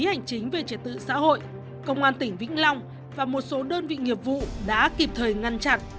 hành chính về trật tự xã hội công an tỉnh vĩnh long và một số đơn vị nghiệp vụ đã kịp thời ngăn chặn